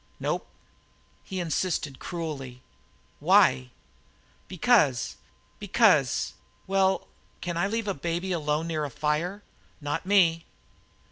"Nope." He insisted cruelly: "Why?" "Because because well, can I leave a baby alone near a fire? Not me!"